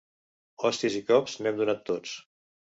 Hòsties i cops n’hem donat tots.